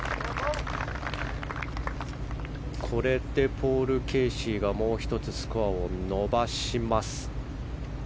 これでポール・ケーシーはもう１つスコアを伸ばします。